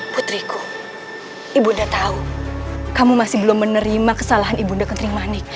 putriku ibunda tahu kamu masih belum menerima kesalahan ibunda ketrimanik